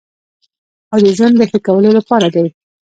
او د ژوند د ښه کولو لپاره دی.